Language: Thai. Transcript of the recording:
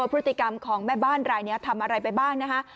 ว่าผู้ถติกรรมของแม่บ้านไร่ทำอะไรไปบ้างนะคะ